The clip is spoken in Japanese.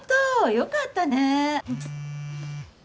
よかったね。